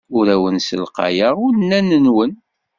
Ur awen-ssalqayeɣ unan-nwen.